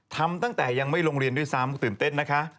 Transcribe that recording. ทำตั้งแต่ยังไม่โรงเรียนด้วยซ้ำตื่นเต้นนะคะ